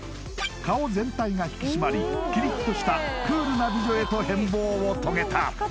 顔全体が引き締まりキリッとしたクールな美女へと変貌を遂げた